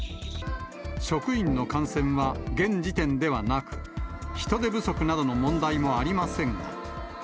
職員の感染は、現時点ではなく、人手不足などの問題もありませんが。